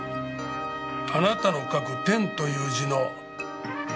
あなたの書く天という字のはらい方。